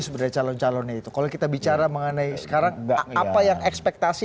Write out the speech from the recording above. sebagai calon calon itu kalau kita bicara mengenai sekarang enggak apa yang ekspektasi